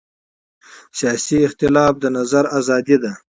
سیاسي اختلاف د نظر ازادي ده